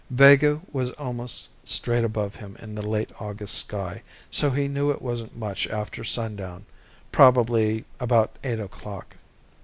Vega was almost straight above him in the late August sky, so he knew it wasn't much after sundown probably about eight o'clock.